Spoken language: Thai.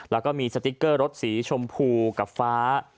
แล้วก็มีสติ๊กเกอร์รถสีชมพูกับฟ้า